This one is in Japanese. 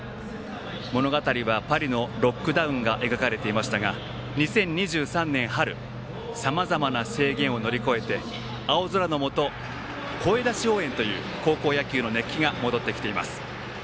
物語はパリのロックダウンが描かれていましたが２０２３年、春さまざまな制限を乗り越えて青空のもと、声出し応援という高校野球の熱気が戻ってきています。